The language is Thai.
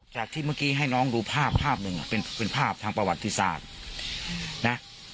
จากที่เมื่อกี้ให้น้องดูภาพภาพหนึ่งเป็นภาพทางประวัติศาสตร์นะ